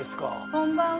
こんばんは。